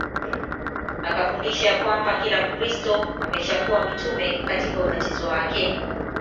Akafundisha ya kwamba kila Mkristo ameshakuwa mtume katika ubatizo wake